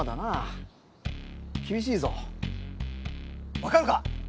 わかるか？